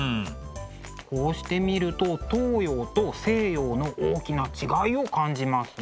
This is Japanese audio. こうして見ると東洋と西洋の大きな違いを感じますね。